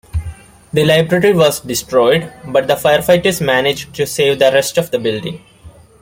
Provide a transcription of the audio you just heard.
The library was destroyed, but firefighters managed to save the rest of the building.